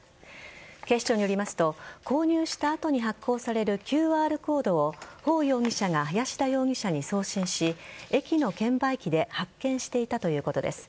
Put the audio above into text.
警視庁によりますと購入した後に発行されるＱＲコードをホウ容疑者が林田容疑者に送信し駅の券売機で発券していたということです。